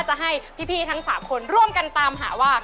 จะให้พี่ทั้ง๓คนร่วมกันตามหาว่า